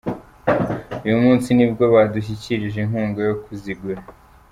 Uyu munsi nibwo badushyikirije inkunga yo kuzigura.